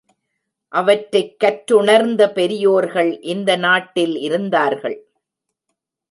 அவற்றைக் கற்றுணர்ந்த பெரியோர்கள் இந்த நாட்டில் இருந்தார்கள்.